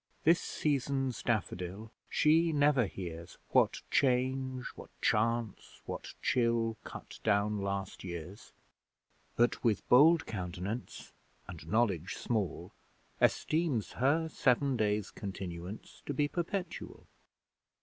This season's Daffodil, She never hears, What change, what chance, what chill, Cut down last year's: But with bold countenance, And knowledge small, Esteems her seven days' continuance To be perpetual.